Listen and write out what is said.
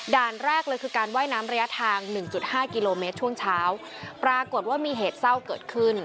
แรกเลยคือการว่ายน้ำระยะทางหนึ่งจุดห้ากิโลเมตรช่วงเช้าปรากฏว่ามีเหตุเศร้าเกิดขึ้น